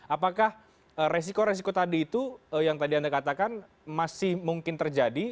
apakah resiko resiko tadi itu yang tadi anda katakan masih mungkin terjadi